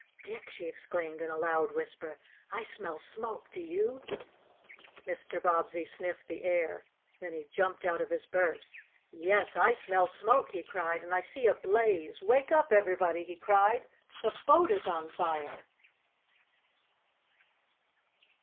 "Dick!" she exclaimed in a loud whisper, "I smell smoke! Do you?" Mr. Bobbsey sniffed the air. Then he jumped out of his berth. "Yes, I smell smoke!" he cried. "And I see a blaze! Wake up, everybody!" he cried, "The boat is on fire!"